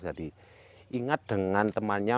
jadi ingat dengan temannya